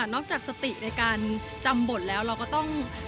จากสติในการจำบทแล้วเราก็ต้อง